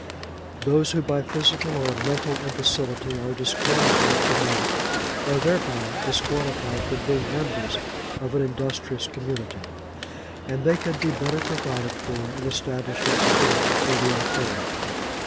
Those who by physical or mental imbecility are disqualified from work, are thereby disqualified from being members of an industrious community; and they can be better provided for in establishments fitted for the infirm.